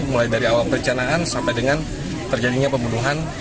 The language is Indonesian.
mulai dari awal perencanaan sampai dengan terjadinya pembunuhan